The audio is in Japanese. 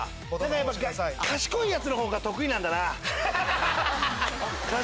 やっぱ賢いやつの方が得意なんだな。